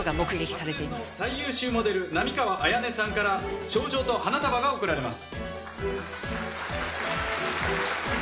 昨年の最優秀モデル並河彩音さんから賞状と花束が贈られます。